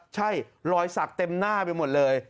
ใช่รอยสักเต็มหน้าไปหมดเลย